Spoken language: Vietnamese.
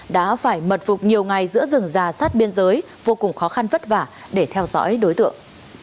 đã phải mật phục nhiều ngày giữa rừng già sát biên giới vô cùng khó khăn vất vả để theo dõi đối tượng